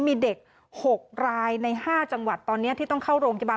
มีเด็ก๖รายใน๕จังหวัดตอนนี้ที่ต้องเข้าโรงพยาบาล